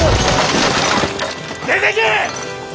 出ていけ！